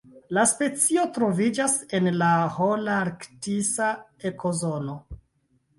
La specio troviĝas en la holarktisa ekozono.